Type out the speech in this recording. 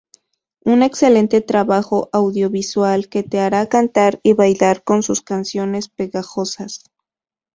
Un excelente trabajo audiovisual que te hará cantar y bailar con sus canciones pegajosas.